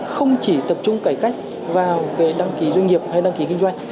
không chỉ tập trung cải cách vào về đăng ký doanh nghiệp hay đăng ký kinh doanh